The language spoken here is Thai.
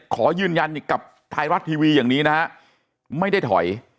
ขอยืนยันกับไทยรัฐทีวีอย่างนี้นะฮะไม่ได้ถอย